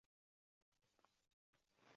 U mashhur emas.